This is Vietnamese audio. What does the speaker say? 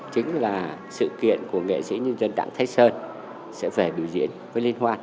chính là sự kiện của nghệ sĩ nhân dân đảng thái sơn sẽ về biểu diễn với liên hoan